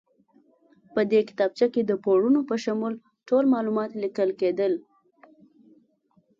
په دې کتابچه کې د پورونو په شمول ټول معلومات لیکل کېدل.